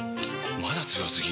まだ強すぎ？！